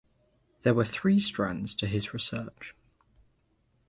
There were three strands to his research.